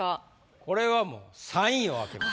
これはもう３位を開けます。